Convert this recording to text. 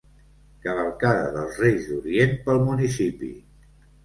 Cavalcada dels Reis d'Orient pel municipi.